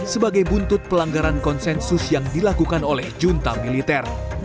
sebagai buntut pelanggaran konsensus yang dilakukan oleh junta militer